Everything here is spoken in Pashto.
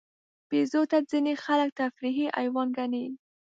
بیزو ته ځینې خلک تفریحي حیوان ګڼي.